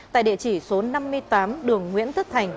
tại địa chỉ số năm mươi tám đường nguyễn tất thành